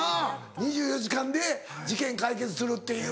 ２４時間で事件解決するっていう。